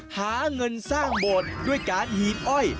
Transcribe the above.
หาเงินสร้างโบสถ์ด้วยการหีบอ้อย